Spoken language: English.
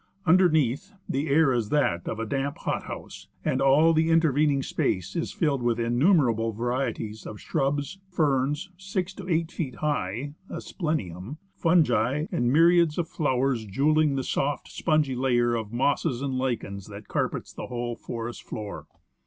Underneath, the air is that of a damp hot house, and all the intervening space is filled with innumerable varieties of shrubs; ferns, six to eight feet high [Aspleniwji), fungi, and myriads of flowers jewelling the soft, spongy layer of mosses and lichens that carpets the whole forest floor.